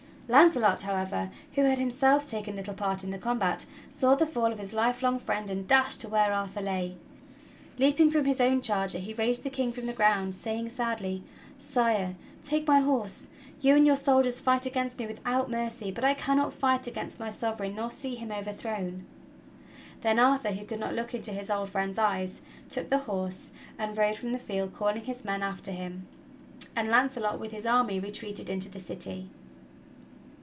Launcelot, however, who had himself taken little part in the combat, saw the fall of his life long friend and dashed to where Arthur lay. Leaping from his own charger he raised the King from the ground, saying sadly: "Sire, take my horse. You and your soldiers fight against me without mercy, but I cannot fight against my Sovereign nor see him overthrown." Then Arthur, who could not look into his old friend's eyes, took the horse and rode from the field calling his men after him; and Launcelot with his army retreated into the city.